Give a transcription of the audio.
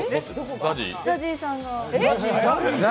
ＺＡＺＹさんが。